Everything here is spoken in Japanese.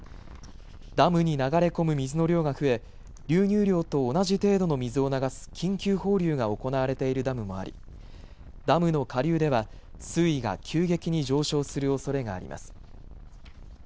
ダムに流れ込む水の量が増え流入量と同じ程度の水を流す緊急放流が行われているダムもありダムの下流では水位が急激に上昇するおそれがあります。